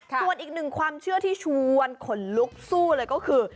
ส่วนอีกหนึ่งความเชื่อที่ชวนขนลุกสู้เลยก็คือ